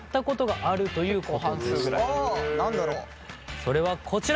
それはこちら！